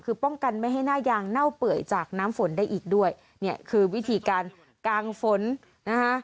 คือป้องกันไม่ให้หน้ายางเน่าเปื่อยจากน้ำฝนได้อีกด้วยเนี่ยคือวิธีการกางฝนนะคะ